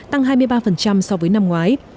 tăng hai mươi ba so với năm ngoái